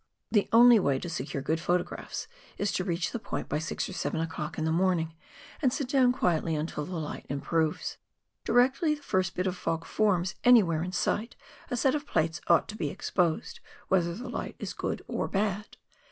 The only way to secure good photographs is to reach the point by 6 or 7 o'clock in the morning, and sit down quietly until the light improves. Directly the first bit of .fog forms a ay where in sight, a set of plates ought to be exposed, whether the light is good or bad.